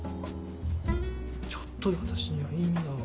ちょっと私には意味が。